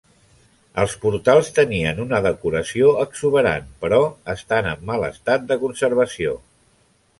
Els portals tenien una decoració exuberant, però estan en mal estat de conservació.